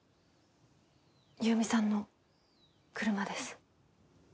優美さんの車です。